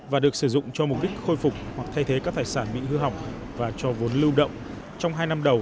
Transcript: và được sử dụng cho mục đích khôi phục hoặc thay thế các thải sản bị hư hỏng và cho vốn lưu động